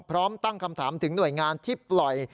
พร้อมตั้งคำถามถึงหน่วยงานที่ปล่อย